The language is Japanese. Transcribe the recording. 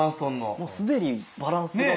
もう既にバランスが。